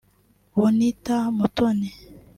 Bonita Mutoni